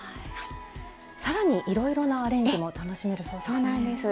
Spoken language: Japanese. さらにいろいろなアレンジも楽しめるそうですね。